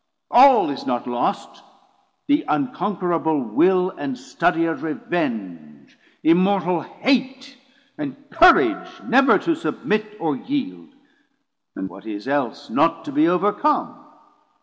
All is not lost; the unconquerable Will, And study of revenge, immortal hate, And courage never to submit or yield: And what is else not to be overcome?